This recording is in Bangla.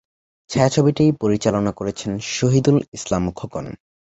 ছায়াছবিটি পরিচালনা করেছেন শহীদুল ইসলাম খোকন।